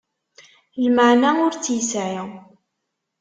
Lmeεna ur tt-yesεi.